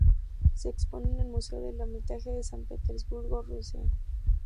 Se expone en el Museo del Hermitage de San Petersburgo, Rusia.